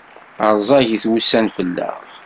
Rẓagit wussan fell-aɣ.